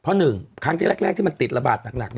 เพราะ๑ครั้งที่แรกที่มันติดระบาดหนัก